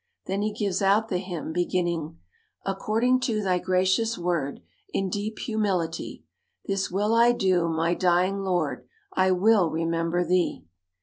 Then he gives out the hymn, beginning: "According to Thy gracious word, In deep humility, This will I do, my dying Lord I will remember Thee."